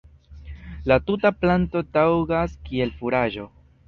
La tuta planto taŭgas kiel furaĝo.